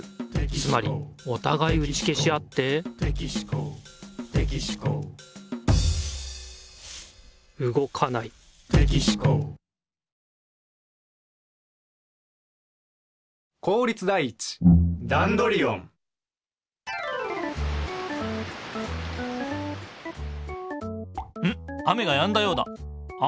つまりおたがいうちけしあってうごかないんっ雨がやんだようだ。